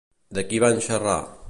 De qui van xerrar?